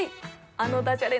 あのダジャレ